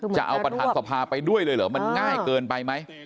จะเอาประธานสภาไปด้วยเลยเหรอมันง่ายเกินไปไหม